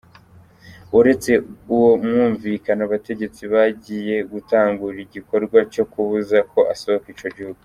Uretse uwo mwumvikano, abategetsi bagiye gutangura igikorwa co kubuza ko asohoka ico gihugu.